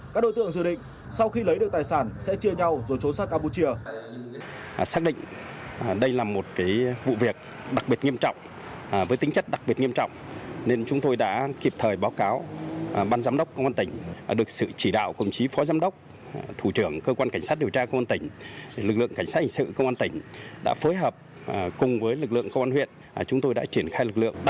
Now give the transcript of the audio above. các đối tượng dự định sau khi lấy được tài sản sẽ chia nhau rồi trốn sát campuchia